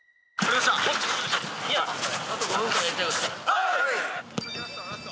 はい！